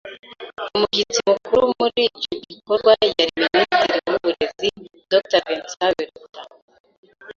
Umushyitsi mukuru muri icyo gikorwa yari Minisitiri w’Uburezi Dr. Vincent BIRUTA.